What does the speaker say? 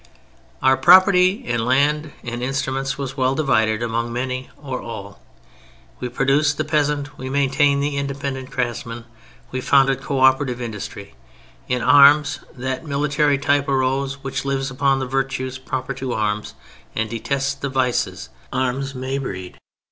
Our property in land and instruments was well divided among many or all; we produced the peasant; we maintained the independent craftsman; we founded coöperative industry. In arms that military type arose which lives upon the virtues proper to arms and detests the vices arms may breed.